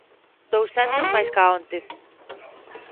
Douscentos máis ca onte.